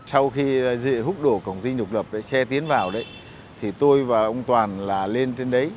sau khi dễ hút đổ cổng dinh độc lập xe tiến vào đấy thì tôi và ông toàn là lên trên đấy